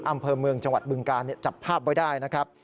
อำเภอเมืองจังหวัดบึงการจับภาพไว้ได้นะครับ